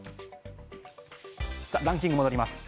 ランキングに戻ります。